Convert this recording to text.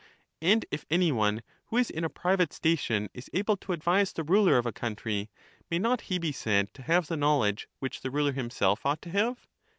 And if any one who is in a private station is able to We note advise the ruler of a country, may not he be said to have the s^enwfmay knowledge which the ruler himself ought to have